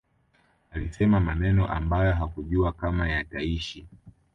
alisema maneno ambayo hakujua kama yataishi